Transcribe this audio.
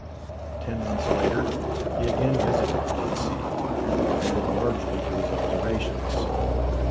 Ten months later, he again visited the Dead Sea, and added largely to his observations.